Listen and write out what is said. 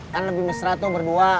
kan lebih mesra tuh berdua